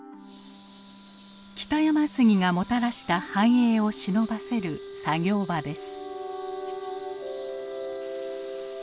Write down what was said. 北山杉がもたらした繁栄を偲ばせる作業場です。